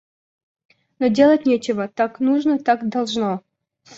Но, делать нечего, так нужно, так должно.